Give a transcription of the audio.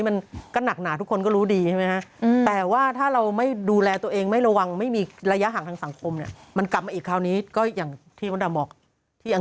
อย่างที่กับฮุฑาบอกที่อังกฤษก็ไม่มีเตียงให้นอน